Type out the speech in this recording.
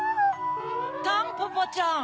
タンポポちゃん！